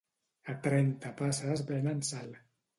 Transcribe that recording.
A trenta passes venen sal.